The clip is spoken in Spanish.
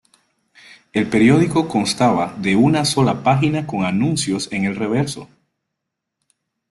El periódico constaba de una sola página, con anuncios en el reverso.